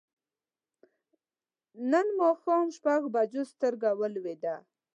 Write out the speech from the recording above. نن ماښام پر شپږو بجو سترګه ولوېده.